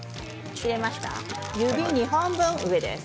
指２本分上です。